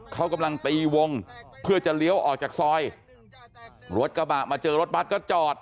เขากำลังตีวงเพื่อจะเลี้ยวออกจากซอยรถกระบะมาเจอรถบัตรก็จอด